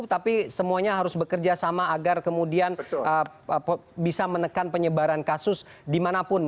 tapi semuanya harus bekerja sama agar kemudian bisa menekan penyebaran kasus dimanapun